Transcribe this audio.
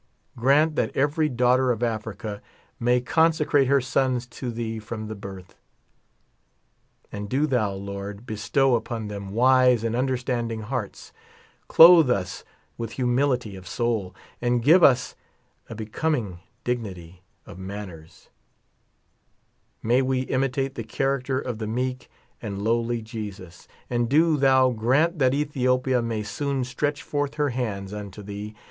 Grant that ever\' daughter of Africa may consecrate her sons to thee from the birth. And do thou. Lord, bestow upon them wise and understanding hearts. Clothe us with humility of soul, and give us a becoming dignity of manners ; may we imitate the character of the meek and lowly Jesus ; and do thou grant that Ethiopia may soon stretch forth her hands unto thee.